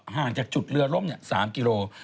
ห่างจากจุดเรือล่ม๓กิโล